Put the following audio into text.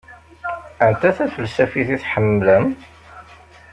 Anta tafelsaft i tḥemmlem?